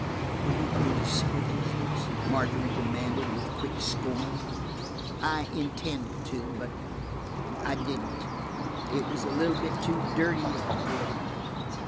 "Were you going to sell the letters?" Margery demanded, with quick scorn. "I intended to, but–I didn't. It was a little bit too dirty, after all.